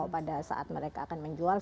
pada saat mereka akan menjual